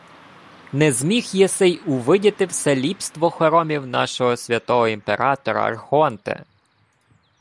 — Не зміг єси й увидіти все ліпство хоромів нашого святого імператора, архонте?